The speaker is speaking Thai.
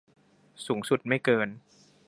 สูงสุดไม่เกิน